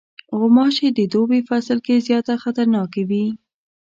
غوماشې د دوبی فصل کې زیاته خطرناکې وي.